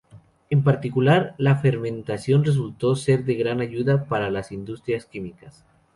En particular, la fermentación resultó ser de gran ayuda para las industrias químicas.